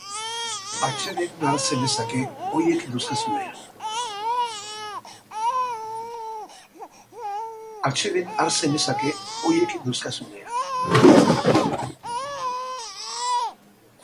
Atseden har zenezake, horiek dauzkazunean.